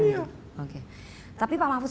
real oke tapi pak mahfud